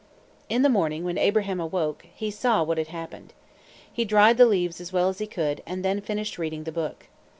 In the morning, when Abraham awoke, he saw what had happened. He dried the leaves as well as he could, and then finished reading the book.